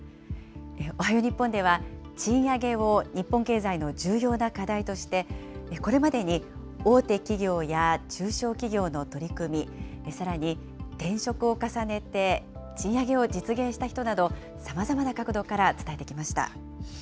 おはよう日本では、賃上げを日本経済の重要な課題として、これまでに大手企業や中小企業の取り組み、さらに転職を重ねて賃上げを実現した人など、さまざまな角度から伝えてきました。